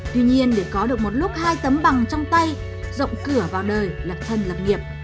tuy nhiên để có được một lúc hai tấm bằng trong tay rộng cửa vào đời lập thân lập nghiệp